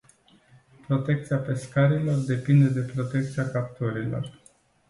Protecția pescarilor depinde de protecția capturilor.